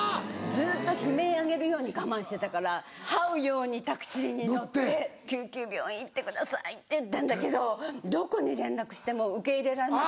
ずっと悲鳴上げるように我慢してたからはうようにタクシーに乗って「救急病院行ってください」って言ったんだけどどこに連絡しても「受け入れられません」。